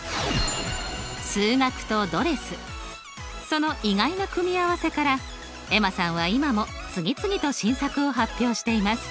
その意外な組み合わせからエマさんは今も次々と新作を発表しています。